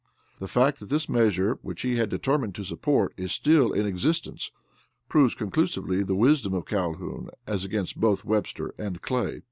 The fact that this measure, which he had determined to support, is still in existence, proves conclusively the wisdom of Calhoun as against both Webster and Clay.